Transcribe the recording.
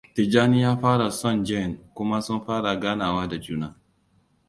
Tijjani ya fara son Jane kuma sun fara ganawa da juna.